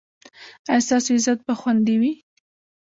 ایا ستاسو عزت به خوندي وي؟